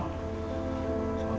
ya allah harun